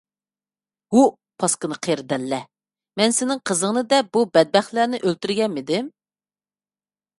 ھۇ پاسكىنا قېرى دەللە! مەن سېنىڭ قىزىڭنى دەپ بۇ بەتبەختلەرنى ئۆلتۈرگەنمىدىم؟